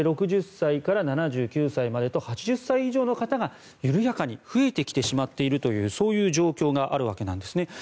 ６０歳から７９歳までと８０歳以上の方が緩やかに増えてきてしまっているというそういう状況があるわけです。